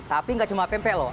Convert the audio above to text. tapi nggak cuma pempek loh